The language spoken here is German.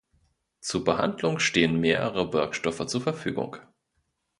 Zur Behandlung stehen mehrere Wirkstoffe zur Verfügung.